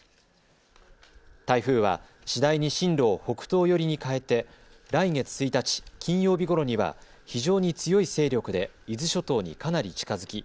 台風は次第に進路を北東寄りに変えて来月１日、金曜日ごろには非常に強い勢力で伊豆諸島にかなり近づき